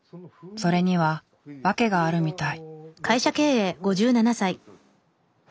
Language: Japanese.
それには訳があるみたい。